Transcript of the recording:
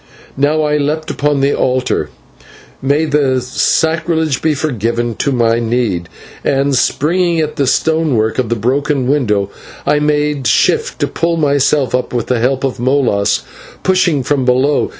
Now I leapt upon the altar may the sacrilege be forgiven to my need and, springing at the stonework of the broken window, I made shift to pull myself up with the help of Molas pushing from below.